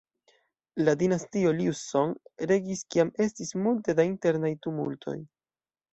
La dinastio Liu Song regis kiam estis multe da internaj tumultoj.